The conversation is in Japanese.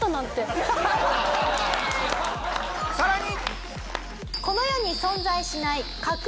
さらに。